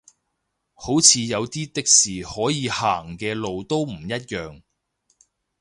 好似有啲的士可以行嘅路都唔一樣